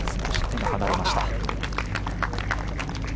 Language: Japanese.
手が離れました。